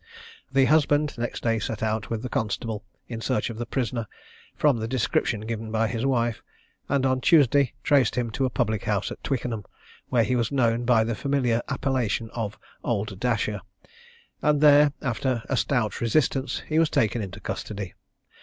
The husband next day set out with the constable in search of the prisoner, from the description given by his wife, and on Tuesday traced him to a public house at Twickenham, where he was known by the familiar appellation of "Old Dasher;" and there, after a stout resistance, he was taken into custody.